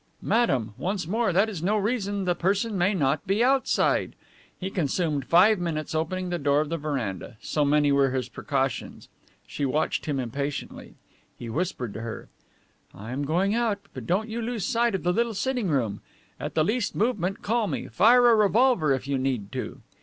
"Madame, once more, that is no reason that the person may not be outside." He consumed five minutes opening the door of the veranda, so many were his precautions. She watched him impatiently. He whispered to her: "I am going out, but don't you lose sight of the little sitting room. At the least movement call me; fire a revolver if you need to."